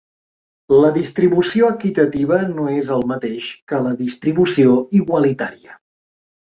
La distribució equitativa no és el mateix que la distribució igualitària.